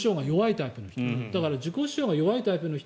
自己主張が弱いタイプの人。